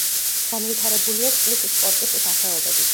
განვითარებულია წყლის სპორტის სახეობები.